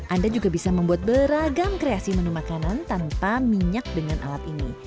anda juga bisa membuat beragam kreasi menu makanan tanpa minyak dengan alat ini